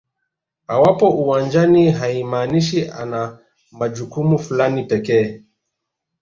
Awapo uwanjani haimaanishi ana majukumu fulani pekee